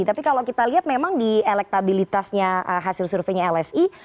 tapi kalau kita lihat memang di elektabilitasnya hasil surveinya lsi